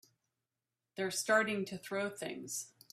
They're starting to throw things!